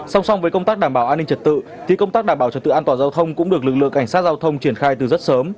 song song với công tác đảm bảo an ninh trật tự thì công tác đảm bảo trật tự an toàn giao thông cũng được lực lượng cảnh sát giao thông triển khai từ rất sớm